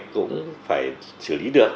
cũng phải xử lý được